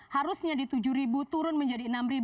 harusnya di tujuh turun menjadi enam